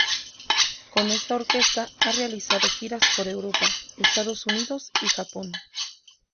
Con esta orquesta ha realizado giras por Europa, Estados Unidos y Japón.